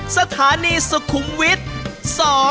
สถานีสุขุมวิทย์